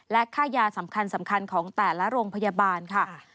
และค่ายาสำคัญของแต่ละโรงพยาบาลค่ะ